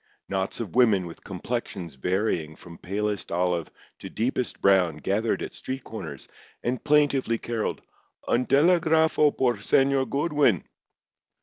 Knots of women with complexions varying from palest olive to deepest brown gathered at street corners and plaintively carolled: "_Un telégrafo por Señor Goodwin!